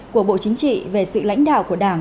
của bộ chính trị về sự lãnh đạo của đảng